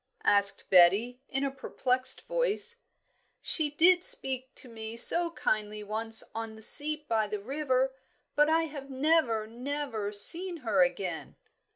asked Betty, in a perplexed voice. "She did speak to me so kindly once on the seat by the river; but I have never, never seen her again."